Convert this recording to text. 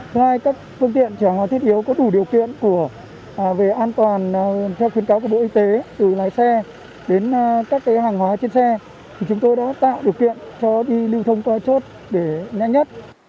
thứ hai các phương tiện chở hàng hóa thiết yếu có đủ điều kiện về an toàn theo khuyến cáo của bộ y tế từ lái xe đến các hàng hóa trên xe thì chúng tôi đã tạo điều kiện cho đi lưu thông qua chốt để nhanh nhất